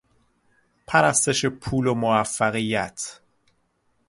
پرستش پول و موفقیت